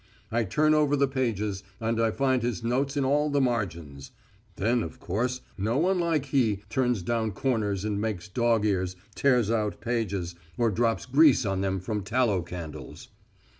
I turn over the pages, and I find his notes in all the margins. Then, of course, no one like he turns down corners and makes dog ears, tears out pages, or drops grease on them from tallow candles.